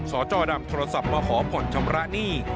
สจดำโทรศัพท์มาขอผ่อนชำระหนี้